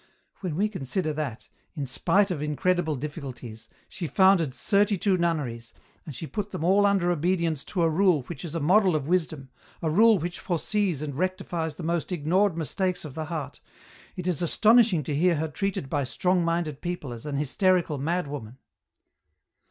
When we consider that, in spite of incredible difficulties, she founded thirty two nun neries, that she put them all under obedience to a rule which is a model of wisdom, a rule which foresees and rectifies the most ignored mistakes of the heart, it is astonishing to hear her treated by strong minded people as an hysterical madwoman."